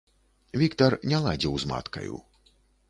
Віктар не ладзіў з маткаю.